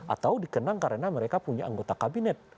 atau dikenang karena mereka punya anggota kabinet